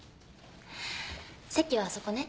席はあそこね。